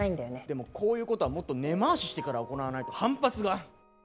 でもこういうことはもっと根回ししてから行わないと反発が。